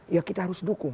ya kita harus dukung